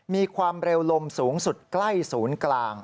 มีความเร็วลมสูงสุดใกล้ศูนย์กลาง